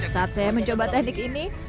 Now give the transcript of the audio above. saat saya mencoba teknik ini